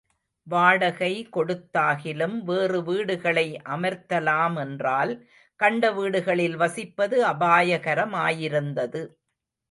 வாடகை கொடுத்தாகிலும் வேறு வீடுகளை அமர்த்தலாமென்றால் கண்ட வீடுகளில் வசிப்பது அபாயகரமாயிருந்தது.